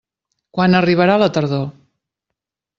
Quan arribarà la tardor?